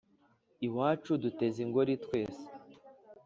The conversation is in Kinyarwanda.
Iwacu duteze ingori twese.-